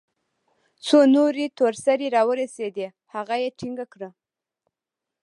څو نورې تور سرې راورسېدې هغه يې ټينګه كړه.